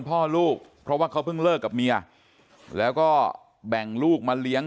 พ่อลูกเพราะว่าเขาเพิ่งเลิกกับเมียแล้วก็แบ่งลูกมาเลี้ยง